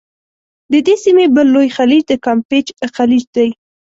د دې سیمي بل لوی خلیج د کامپېچ خلیج دی.